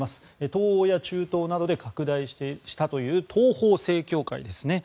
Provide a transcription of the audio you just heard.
東欧や中東などで拡大したという東方正教会ですね。